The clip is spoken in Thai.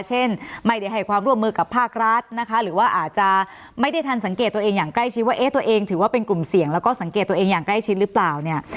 เช่นไม่ได้ให้ความร่วมมือกับภาครัฐนะคะหรือว่าอาจจะไม่ได้ทันสังเกตตัวเองอย่างใกล้ชิดว่าเอ๊ะตัวเองถือว่าเป็นกลุ่มเสี่ยงแล้วก็สังเกตตัวเองอย่างใกล้ชิดหรือเปล่าเนี่ย